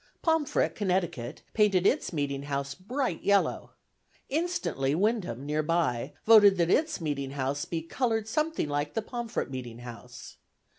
Pomfret, Connecticut, painted its meeting house bright yellow. Instantly Windham, near by, voted that its meeting house be "colored something like the Pomfret meeting house."